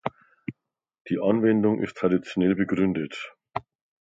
Die Anwendung ist traditionell begründet.